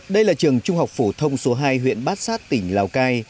đây là trường trung học phổ thông số hai huyện bát sát tỉnh lào cai